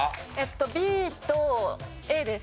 ＢとＡです。